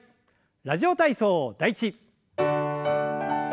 「ラジオ体操第１」。